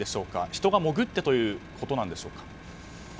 人が潜ってということでしょうか。